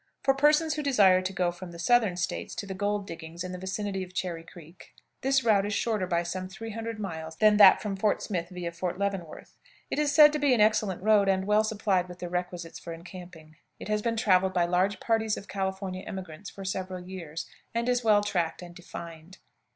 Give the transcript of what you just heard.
For persons who desire to go from the Southern States to the gold diggings in the vicinity of Cherry Creek, this route is shorter by some 300 miles than that from Fort Smith via Fort Leavenworth. It is said to be an excellent road, and well supplied with the requisites for encamping. It has been traveled by large parties of California emigrants for several years, and is well tracked and defined.